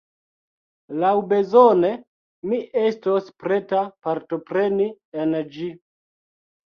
Laŭbezone mi estos preta partopreni en ĝi.